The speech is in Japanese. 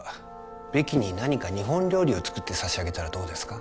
ベキに何か日本料理を作って差し上げたらどうですか？